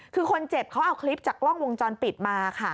คือคนเจ็บเขาเอาคลิปจากกล้องวงจรปิดมาค่ะ